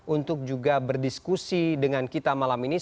untuk juga berdiskusi dengan kita